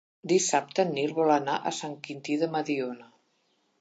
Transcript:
Dissabte en Nil vol anar a Sant Quintí de Mediona.